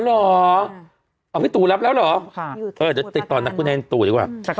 อ๋อเหรอพี่ตุมันรับแล้วเหรอ